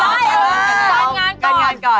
อ้อได้การงานก่อน